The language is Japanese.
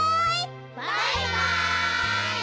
バイバイ！